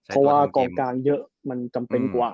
เพราะว่ากองกลางเยอะมันจำเป็นกว่า